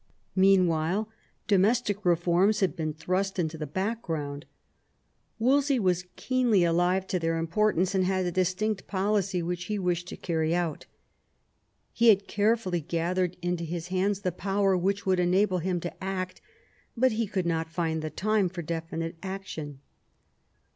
Meanwhile domestic reforms had been thrust into the background. Wolsey was keenly alive to their im portance, and had a distinct policy which hf wished to carry out. He had carefully gathered into his hands the power which would enable him to act, but he could not find the time for definite action.